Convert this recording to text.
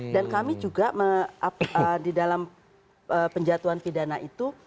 dan kami juga di dalam penjatuhan pidana itu